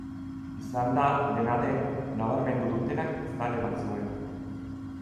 Izan da, dena den, nabarmendu dutenak zale batzuen.